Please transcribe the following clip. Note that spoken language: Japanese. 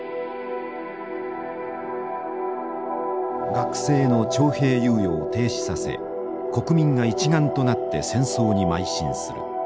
学生の徴兵猶予を停止させ国民が一丸となって戦争にまい進する。